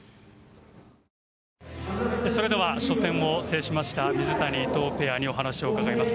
それでは初戦を制しました水谷、伊藤ペアにお話を伺います。